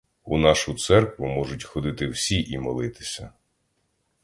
У нашу церкву можуть ходити всі і молитися.